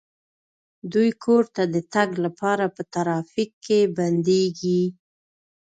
دوی کور ته د تګ لپاره په ترافیک کې بندیږي